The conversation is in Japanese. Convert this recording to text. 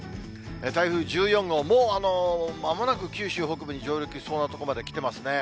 台風１４号、もうまもなく九州北部に上陸しそうなとこまで来てますね。